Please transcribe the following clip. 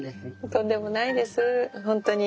とんでもないですホントに。